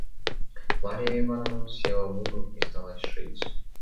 Марья Ивановна села в угол и стала шить.